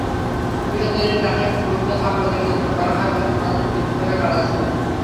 পুলিশের তৈরি লাশের সুরতহাল প্রতিবেদনে বলা হয়, তনুর মাথার চুল বিক্ষিপ্তভাবে কাটা ছিল।